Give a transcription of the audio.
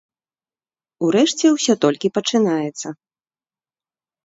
Урэшце, усё толькі пачынаецца!